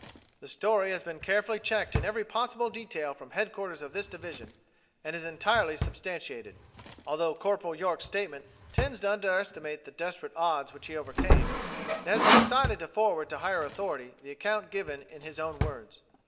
"The story has been carefully checked in every possible detail from Headquarters of this Division and is entirely substantiated. "Altho Corporal York's statement tends to underestimate the desperate odds which he overcame, it has been decided to forward to higher authority the account given in his own words.